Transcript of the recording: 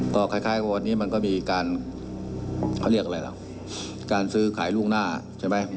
ก็คล้ายกับวันนี้มันก็มีการซื้อขายล่วงหน้าใช่ไหม